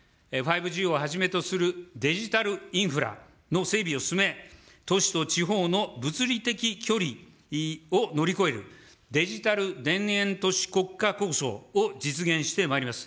５Ｇをはじめとするデジタルインフラの整備を進め、都市と地方の物理的距離を乗り越える、デジタル田園都市国家構想を実現してまいります。